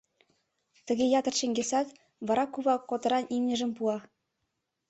Тыге ятыр чеҥгесат, вара кува котыран имньыжым пуа.